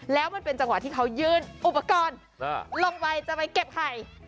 แล้วมันเป็นจังหวะที่เขายื่นอุปกรณ์ลงไปจะไปเก็บไข่